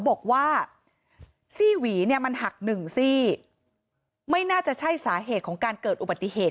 บอกว่าซี่หวีเนี่ยมันหักหนึ่งซี่ไม่น่าจะใช่สาเหตุของการเกิดอุบัติเหตุ